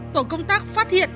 tổ công tác phát hiện